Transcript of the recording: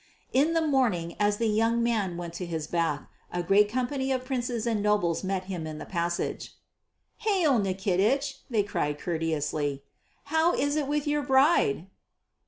In the morning, as the young man went to his bath, a great company of princes and nobles met him in the passage: "Hail, Nikitich," they cried courteously. "How is it with your bride?"